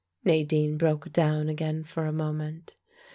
Nadine broke down again for a moment.